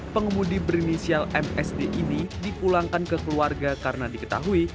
pengemudi berinisial msd ini dipulangkan ke keluarga karena diketahui